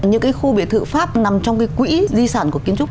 những cái khu biệt thự pháp nằm trong cái quỹ di sản của kiến trúc